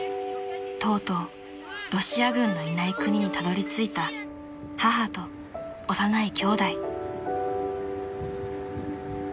［とうとうロシア軍のいない国にたどりついた母と幼いきょうだい］